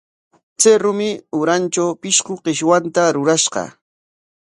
Chay rumi urantraw pishqu qishwanta rurashqa.